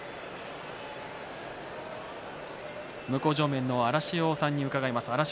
向正面の荒汐さんに伺います。